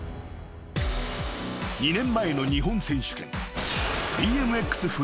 ［２年前の日本選手権］